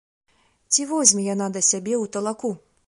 Ці возьме яна да сябе ў талаку?